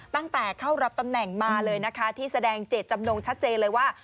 ตั้งแต่เข้ารับตำแหน่งมาเลยนะคะที่แสดงเจตจำนงชัดเจนเลยว่า